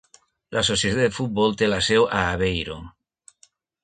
L'associació de futbol té la seu a Aveiro.